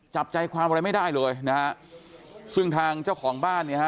จับใจความอะไรไม่ได้เลยนะฮะซึ่งทางเจ้าของบ้านเนี่ยฮะ